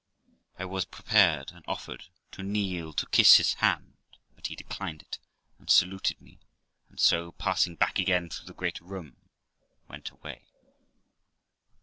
I was prepared, and offered, to kneel to kiss his hand, but he declined it, and saluted me, and so, passing back again through the great room, went away.